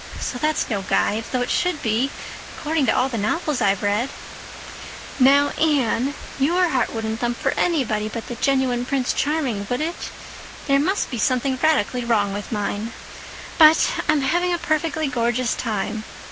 So that's no guide, though it should be, according to all the novels I've ever read. Now, Anne, your heart wouldn't thump for anybody but the genuine Prince Charming, would it? There must be something radically wrong with mine. But I'm having a perfectly gorgeous time.